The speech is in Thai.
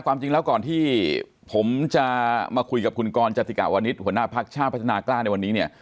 ความจริงแล้วก่อนที่ผมจะมาคุยกับคุณกรจติกะวนิษฐ์หัวหน้าพักชาติพัฒนากล้าในวันนี้เนี่ย